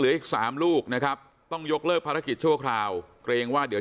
อีกสามลูกนะครับต้องยกเลิกภารกิจชั่วคราวเกรงว่าเดี๋ยว